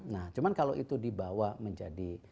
nah cuma kalau itu dibawa menjadi